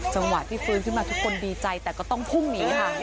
จังหวะที่ฟื้นขึ้นมาทุกคนดีใจแต่ก็ต้องพุ่งหนีค่ะ